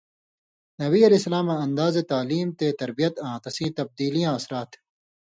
نبی علیہ السَلاماں اندازِ تعلیم تے تربیت آں تسئِیں تبدیلِیاں اثرات